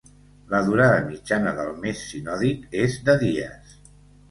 La durada mitjana del mes sinòdic és de dies.